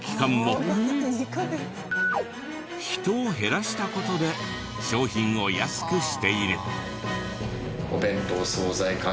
人を減らした事で商品を安くしている。